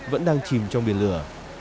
vẫn đang chìm trong biển lửa